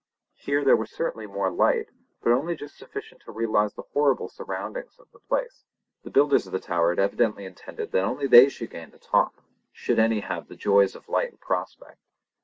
Here there was certainly more light, but only just sufficient to realise the horrible surroundings of the place. The builders of the tower had evidently intended that only they who should gain the top should have any of the joys of light and prospect.